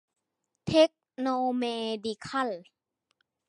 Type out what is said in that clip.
เทคโนเมดิคัล